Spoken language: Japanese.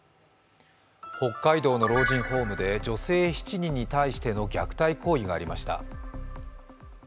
北海道の老人ホームで女性７人に対しての虐待行為がありました。